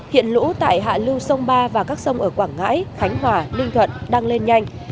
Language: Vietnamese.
hiện lũ tại hạ lưu sông ba và các sông ở quảng ngãi khánh hòa ninh thuận đang lên nhanh